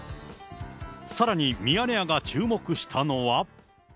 さらにミヤネ屋が注目したのは。